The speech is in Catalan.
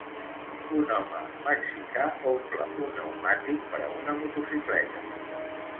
un home mexicà omple un pneumàtic per a una motocicleta